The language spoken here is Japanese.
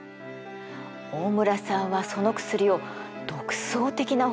大村さんはその薬を独創的な方法で開発しました。